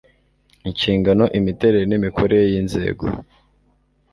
Inshingano imiterere n imikorere y inzego